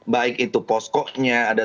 baik itu poskonya ada